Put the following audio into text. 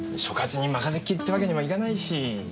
所轄に任せっきりってわけにもいかないし。